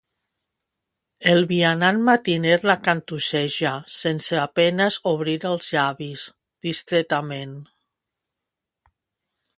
El vianant matiner la cantusseja sense a penes obrir els llavis, distretament.